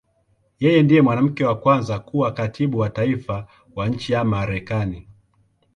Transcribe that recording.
Yeye ndiye mwanamke wa kwanza kuwa Katibu wa Taifa wa nchi ya Marekani.